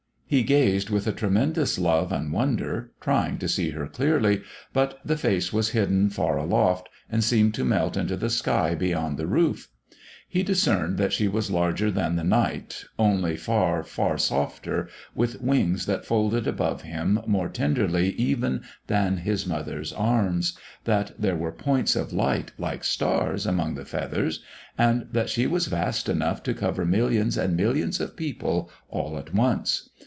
He gazed with a tremendous love and wonder, trying to see her clearly; but the face was hidden far aloft and seemed to melt into the sky beyond the roof. He discerned that she was larger than the Night, only far, far softer, with wings that folded above him more tenderly even than his mother's arms; that there were points of light like stars among the feathers, and that she was vast enough to cover millions and millions of people all at once.